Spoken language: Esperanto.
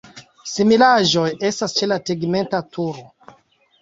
Similaĵoj estas ĉe la tegmenta turo.